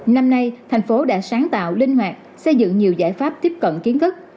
năm nay tp hcm đã sáng tạo linh hoạt xây dựng nhiều giải pháp tiếp cận kiến thức